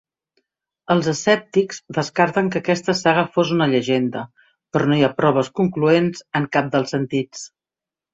Els escèptics descarten que aquesta saga fos una llegenda, però no hi ha proves concloents en cap dels sentits.